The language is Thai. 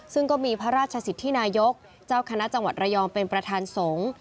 ซึ่งก็มีพระราชสิทธินายกเจ้าคณะจังหวัดระยองเป็นประธานสงฆ์